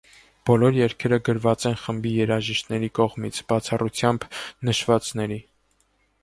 Բոլոր երգերը գրված են խմբի երաժիշտների կողմից, բացառությամբ նշվածների։